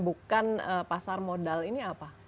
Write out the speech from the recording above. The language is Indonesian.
bukan pasar modal ini apa